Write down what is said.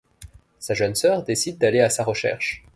Sa jeune sœur décide d'aller à sa recherche.